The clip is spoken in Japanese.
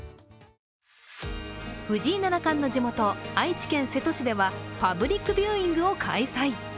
藤井七冠の地元・愛知県瀬戸市ではパブリックビューイングを開催。